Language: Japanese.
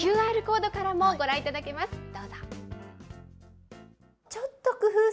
ＱＲコードからもご覧いただけます。